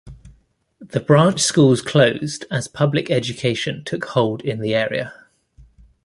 The branch schools closed as public education took hold in the area.